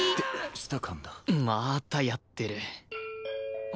まーたやってる